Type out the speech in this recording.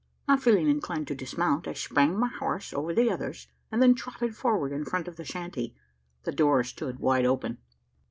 Not feeling inclined to dismount, I sprang my horse over the others; and then trotted forward in front of the shanty. The door stood wide open.